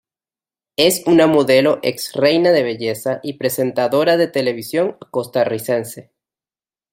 Es una modelo ex-reina de belleza y presentadora de televisión costarricense.